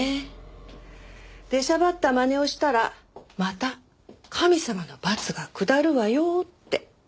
出しゃばったまねをしたらまた神様の罰が下るわよって。